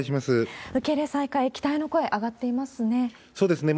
受け入れ再開、期待の声上がっていますね。